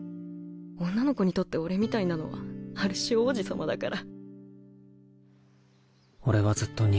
女の子にとって俺みたいなのはある種王子様だから。